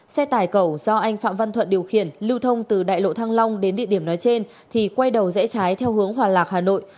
xe tải cầu do anh phạm văn thuận điều khiển lưu thông từ đại lộ thăng long đến địa điểm nói trên thì quay đầu rẽ trái theo hướng hòa lạc hà nội